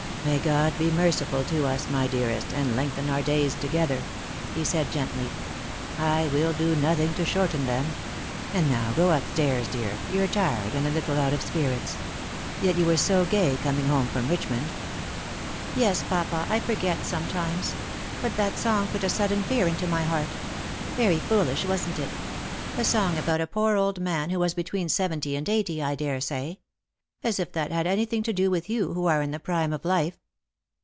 " May God be merciful to us, my dearest, and lengthen our days together! " he said gently; "I will do nothing to shorten, them. And now go up stairs, dear; you're tired and a little out of spirits. Yet you were so gay coming home from Rich mond." 92 Lost for Love. "Yes, papa; I forget sometimes. But that song put a sudden fear into my heart. Very foolish, wasn't it ? A song about a poor old man, who was between seventy and eighty, I daresay. As if that had anything to do with you, who are in the prime of life."